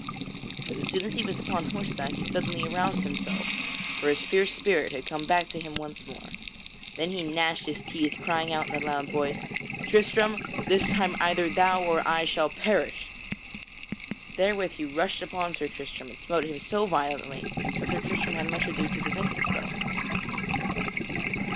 But as soon as he was upon horseback he suddenly aroused himself, for his fierce spirit had come back to him once more. Then he gnashed his teeth, crying out in a loud voice, "Tristram, this time either thou or I shall perish." [Sidenote: Sir Tristram overcomes Sir Palamydes] Therewith he rushed upon Sir Tristram and smote him so violently that Sir Tristram had much ado to defend himself.